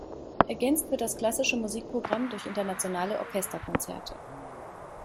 Ergänzt wird das klassische Musikprogramm durch internationale Orchesterkonzerte.